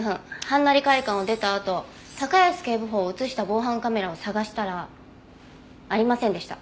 はんなり会館を出たあと高安警部補を映した防犯カメラを探したらありませんでした。